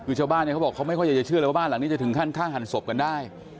คือชาวบ้านเนี่ยเขาบอกเขาไม่ค่อยอยากจะเชื่อเลยว่าบ้านหลังนี้จะถึงขั้นฆ่าหันศพกันได้